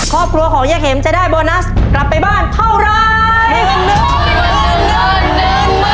ครอบครัวของย่าเข็มจะได้โบนัสกลับไปบ้านเท่าไร